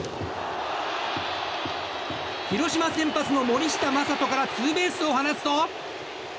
広島先発の森下暢仁からツーベースを放つと。